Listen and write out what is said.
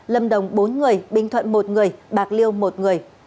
lâm đồng bốn người bình thuận một người bạc liêu một người